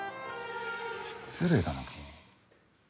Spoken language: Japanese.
失礼だな、君。